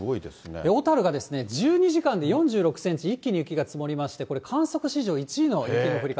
小樽が、１２時間で４６センチ、一気に雪が積もりまして、これ、観測史上１位の雪の降り方。